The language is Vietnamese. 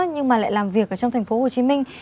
nhưng mà lại làm việc ở trong thành phố hồ chí minh